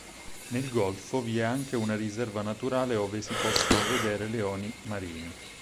Nel golfo vi è anche una riserva naturale ove si possono vedere leoni marini.